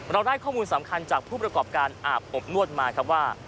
เราได้ข้อมูลสำคัญจากผู้ประกอบการอาบอบนวดมาครับว่า